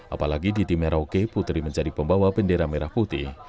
apalagi di timera oke putri menjadi pembawa penderah merah putih